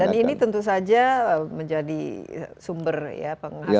dan ini tentu saja menjadi sumber penghasilan